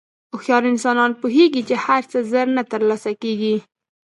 هوښیار انسان پوهېږي چې هر څه زر نه تر لاسه کېږي.